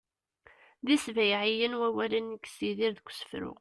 d isbayɛiyen wawalen i yessidir deg usefru